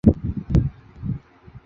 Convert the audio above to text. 蛹体色淡褐且带有淡紫色光泽。